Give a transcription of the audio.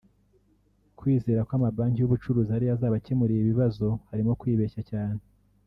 kwizera ko amabanki y’ubucuruzi ariyo azabakemurira ibibazo harimo kwibeshya cyane